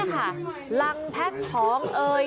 นี่คือชีวิตที่เขาต้องใช้หรือเปล่าโอ้โหเขาบอกเขาเห็นแล้วแบบ